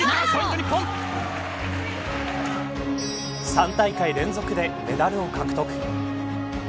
３大会連続でメダルを獲得。